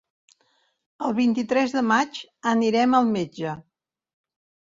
El vint-i-tres de maig anirem al metge.